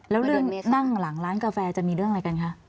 แล้วเรื่องนั่งหลังร้านกาแฟจะมีเรื่องอะไรกันคะ